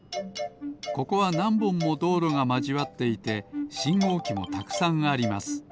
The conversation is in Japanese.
ここはなんぼんもどうろがまじわっていてしんごうきもたくさんあります。